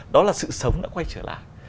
đó là sự sống đã quay trở lại